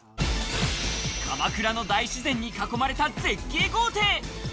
鎌倉の大自然に囲まれた絶景豪邸。